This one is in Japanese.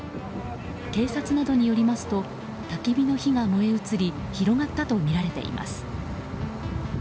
警察などによりますとたき火の火が燃え移り広がったとみられています。